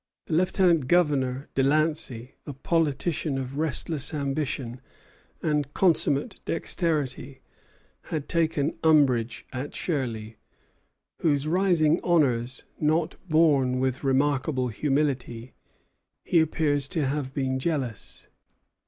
The Lieutenant Governor, Delancey, a politician of restless ambition and consummate dexterity, had taken umbrage at Shirley, of whose rising honors, not borne with remarkable humility, he appears to have been jealous.